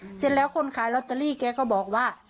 เสร็จแล้วคนขายลอตเตอรี่แกก็บอกว่า